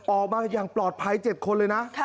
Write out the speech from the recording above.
ออกมาอย่างปลอดภัย๗คนเลยนะ